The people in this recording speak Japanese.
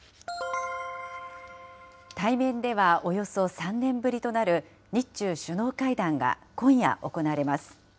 対面ではおよそ３年ぶりとなる日中首脳会談が今夜行われます。